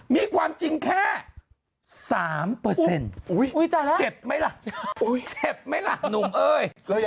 มีความจริงแค่๓เจ็บไหมล่ะเจ็บไหมล่ะหนุ่มเอ้ย